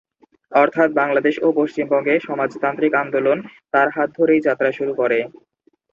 অর্থাৎ বাংলাদেশ ও পশ্চিমবঙ্গে সমাজতান্ত্রিক আন্দোলন তার হাত ধরেই যাত্রা শুরু করে।